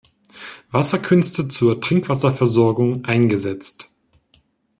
Wasserkünste, zur Trinkwasserversorgung eingesetzt.